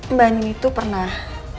mbak anin itu pernah